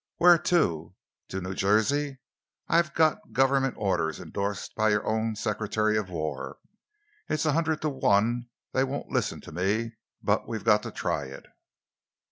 "Where to?" "To New Jersey. I've got Government orders, endorsed by your own Secretary of War. It's a hundred to one they won't listen to me, but we've got to try it."